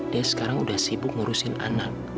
dia sekarang udah sibuk ngurusin anak